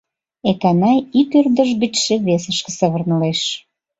Эканай ик ӧрдыж гычше весышке савырнылеш.